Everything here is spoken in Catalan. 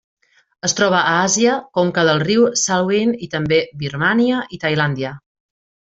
Es troba a Àsia: conca del riu Salween i, també, Birmània i Tailàndia.